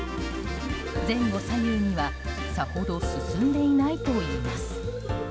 前後左右にはさほど進んでいないといいます。